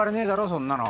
そんなの。